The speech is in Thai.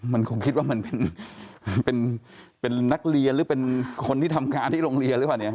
มันคงคิดว่ามันเป็นนักเรียนหรือเป็นคนที่ทำงานที่โรงเรียนหรือเปล่าเนี่ย